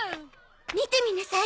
見てみなさい。